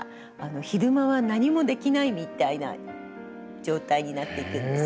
昼間は何もできないみたいな状態になっていくんですね。